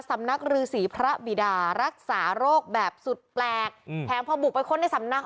รือสีพระบิดารักษาโรคแบบสุดแปลกแถมพอบุกไปค้นในสำนัก